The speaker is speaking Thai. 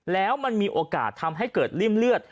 แล้วมันมีโอกาสทำให้เกิดริ่มเลือด